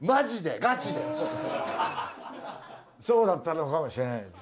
そうだったのかもしれないです。